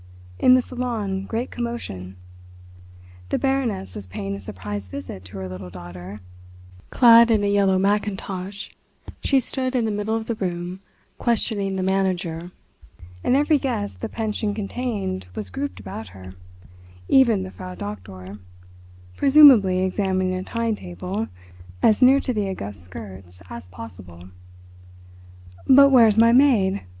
In the salon great commotion. The Baroness was paying a surprise visit to her little daughter. Clad in a yellow mackintosh she stood in the middle of the room questioning the manager. And every guest the pension contained was grouped about her, even the Frau Doktor, presumably examining a timetable, as near to the august skirts as possible. "But where is my maid?"